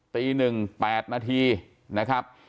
ตี๑๘นาทีนะครับ